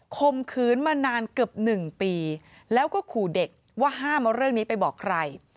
มขืนมานานเกือบ๑ปีแล้วก็ขู่เด็กว่าห้ามเอาเรื่องนี้ไปบอกใคร